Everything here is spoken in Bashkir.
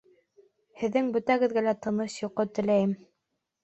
Һеҙҙең бөтәгеҙгә лә тыныс йоҡо теләйем.